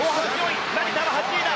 成田は８位だ。